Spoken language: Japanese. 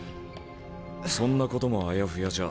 そんなこともあやふやじゃ